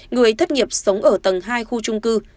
người thất nghiệp sống ở tầng hai khu trung cư